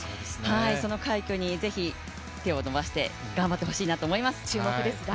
その快挙に是非手を伸ばして頑張ってほしいなと思います。